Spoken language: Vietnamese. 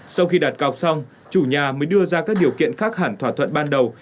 sau khi đặt cọc xong chủ nhà mới đưa ra các điều kiện khác hẳn thỏa thuận ban đầu